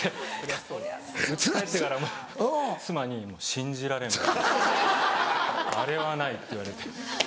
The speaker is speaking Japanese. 家帰ってからも妻に「もう信じられない。あれはない」って言われて。